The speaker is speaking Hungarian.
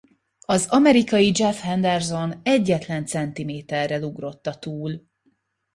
Az amerikai Jeff Henderson egyetlen centiméterrel ugrotta túl.